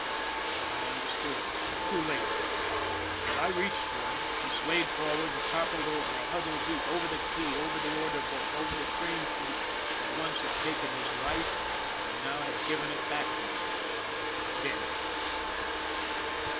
And then I understood too late. As I reached for him, he swayed forward and toppled over, a huddled heap, over the key, over the order book, over the train sheet that once had taken his life and now had given it back to him dead.